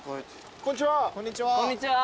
こんちは！